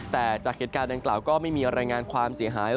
แต่จากเหตุการณ์ดังกล่าวก็ไม่มีรายงานความเสียหาย